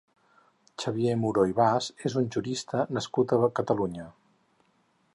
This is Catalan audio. Xavier Muro i Bas és un jurista nascut a Catalunya.